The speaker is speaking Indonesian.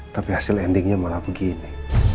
tapi hasil endingnya malah begini